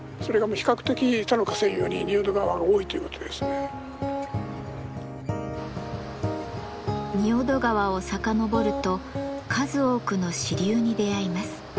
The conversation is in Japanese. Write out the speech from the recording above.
それが仁淀川をさかのぼると数多くの支流に出会います。